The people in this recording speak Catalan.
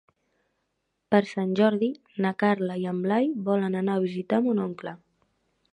Per Sant Jordi na Carla i en Blai volen anar a visitar mon oncle.